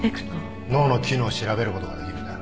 脳の機能を調べることができるんだ。